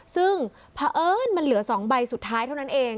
ซึ่งเผอิญมันเหลือ๒ใบสุดท้ายเท่านั้นเอง